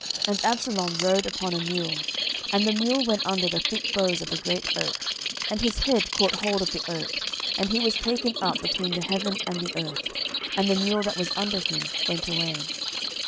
And Absalom rode upon a mule, and the mule went under the thick boughs of a great oak, and his head caught hold of the oak, and he was taken up between the heaven and the earth; and the mule that was under him went away.